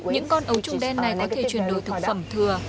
những con ấu trùng đen này có thể chuyển đổi thực phẩm thừa